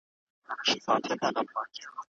ولي هڅاند سړی د تکړه سړي په پرتله هدف ترلاسه کوي؟